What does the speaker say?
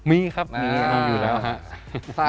มีครับมีอยู่แล้ว